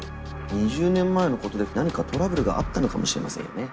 ２０年前のことで何かトラブルがあったのかもしれませんよね。